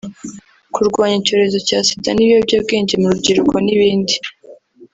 kurwanya icyorezo cya Sida n’ibiyobyabwenge mu rubyiruko n’ibindi